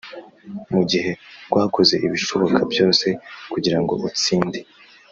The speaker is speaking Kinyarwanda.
Mu gihe rwakoze ibishoboka byose kugira ngo utsinde